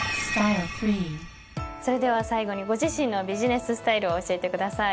それでは最後にご自身のビジネススタイルを教えてください。